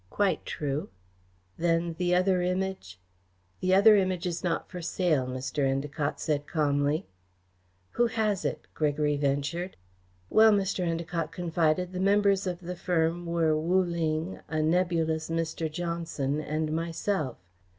"Quite true." "Then the other Image ?" "The other Image is not for sale," Mr. Endacott said calmly. "Who has it?" Gregory ventured. "Well," Mr. Endacott confided, "the members of the firm were Wu Ling, a nebulous Mr. Johnson and myself.